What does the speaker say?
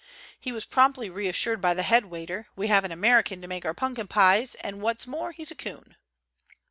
He was promptly reassured by the headwaiter: "We have an American to make our punkin pies, and what's more, he's a coon